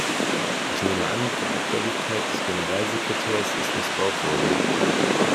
Ich nehme an, die Gutgläubigkeit des Generalsekretärs ist missbraucht worden.